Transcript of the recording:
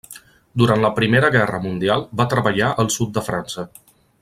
Durant la Primera Guerra Mundial, va treballar al sud de França.